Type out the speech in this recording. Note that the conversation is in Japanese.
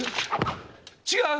違う！